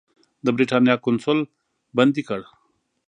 د برېټانیا قونسل بندي کړ.